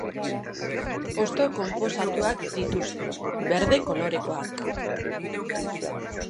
Hosto konposatuak dituzte, berde kolorekoak.